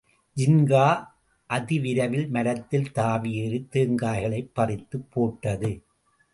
ஜின்கா அதிவிரைவில் மரத்தில் தாவியேறித் தேங்காய்களைப் பறித்துப் போட்டது.